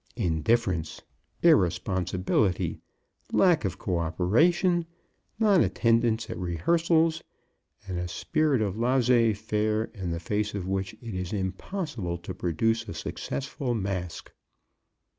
Indifference, irresponsibility, lack of coöperation, non attendance at rehearsals, and a spirit of laissez faire in the face of which it is impossible to produce a successful masque.